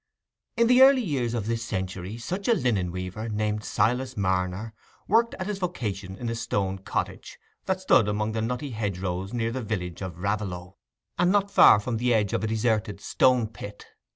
In the early years of this century, such a linen weaver, named Silas Marner, worked at his vocation in a stone cottage that stood among the nutty hedgerows near the village of Raveloe, and not far from the edge of a deserted stone pit.